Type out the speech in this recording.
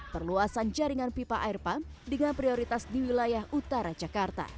perluasan jaringan pipa air pump dengan prioritas di wilayah utara jakarta